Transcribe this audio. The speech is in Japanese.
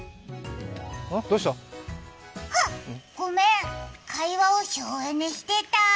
どうした？は、ごめん、会話を省エネしてた。